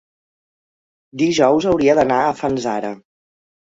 Dijous hauria d'anar a Fanzara.